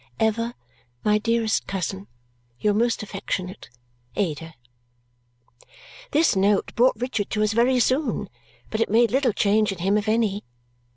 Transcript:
Ever, my dearest cousin, your most affectionate Ada This note brought Richard to us very soon, but it made little change in him if any.